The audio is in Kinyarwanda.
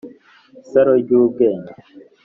isaro ry'ubwenge